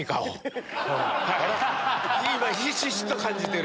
今ひしひしと感じてる。